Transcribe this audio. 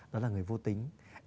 đó là người vô tính